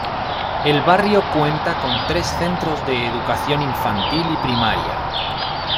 El barrio cuenta con tres Centros de Educación Infantil y Primaria.